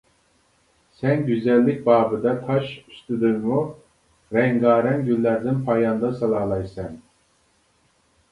سەن گۈزەللىك بابىدا تاش ئۈستىدىمۇ رەڭگارەڭ گۈللەردىن پايانداز سالالايسەن!